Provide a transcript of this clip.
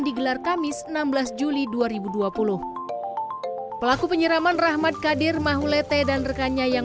digelar kamis enam belas juli dua ribu dua puluh pelaku penyiraman rahmat kadir mahulete dan rekannya yang